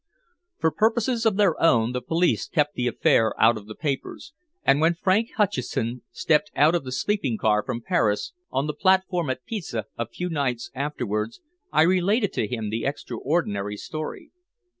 For purposes of their own the police kept the affair out of the papers, and when Frank Hutcheson stepped out of the sleeping car from Paris on to the platform at Pisa a few nights afterwards, I related to him the extraordinary story.